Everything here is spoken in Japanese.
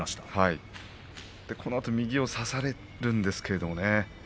このあと、右を差されるんですけれどね